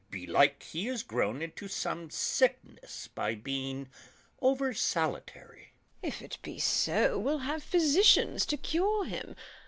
Belike he is grown into some sickness by being over solitary. FIRST SCHOLAR. If it be so, we'll have physicians to cure him.